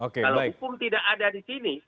kalau hukum tidak ada disini